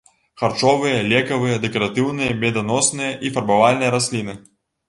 Харчовыя, лекавыя, дэкаратыўныя, меданосныя і фарбавальныя расліны.